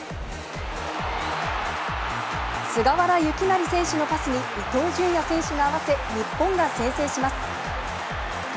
菅原由勢選手のパスに伊東純也選手が合わせ日本が先制します。